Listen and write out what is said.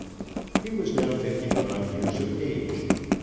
He was now fifty five years of age.